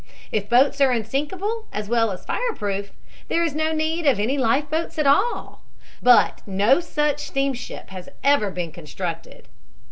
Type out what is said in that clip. If boats are unsinkable as well as fireproof there is no need of any life boats at all. But no such steamship has ever been constructed.